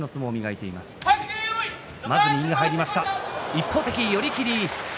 一方的、寄り切り。